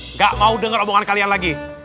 nggak mau dengar omongan kalian lagi